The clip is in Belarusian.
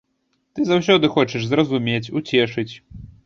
Ты заўсёды хочаш зразумець, уцешыць.